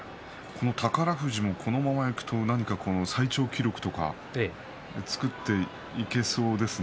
宝富士もこのままいくと最長記録とかを作っていけそうですね。